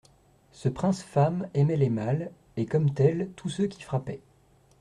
Ce prince femme aimait les mâles, et, comme tels, tous ceux qui frappaient.